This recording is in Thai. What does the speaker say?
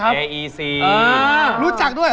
เอ้าทำไมจะไม่รู้จัก